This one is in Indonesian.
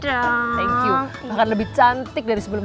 thank you maka lebih cantik dari sebelum